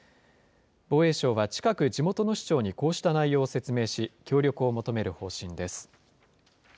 防衛省は近く、地元の市長にこうした内容を説明し、協力を求める方針です。